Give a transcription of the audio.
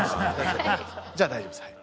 じゃあ大丈夫です。